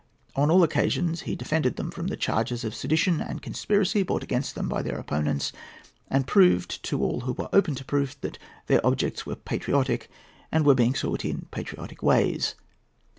On all occasions he defended them from the charges of sedition and conspiracy brought against them by their opponents, and proved, to all who were open to proof, that their objects were patriotic, and were being sought in patriotic ways.